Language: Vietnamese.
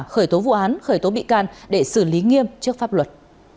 khởi tố vụ án khởi tố bị can để xử lý nghiêm trước pháp luật